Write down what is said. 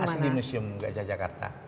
asli di museum gajah jakarta